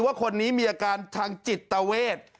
ว่าคนนี้มีอาการทางจิตเวท